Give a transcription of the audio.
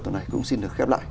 tối nay cũng xin được khép lại